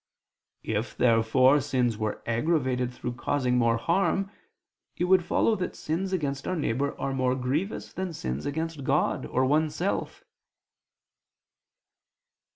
If, therefore, sins were aggravated through causing more harm, it would follow that sins against our neighbor are more grievous than sins against God or oneself.